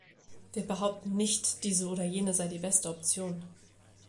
Wir behaupten nicht, diese oder jene sei die beste Option.